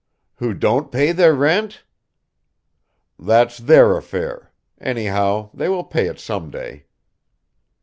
"Who don't pay their rent?" "That's their affair; anyhow they will pay it some day."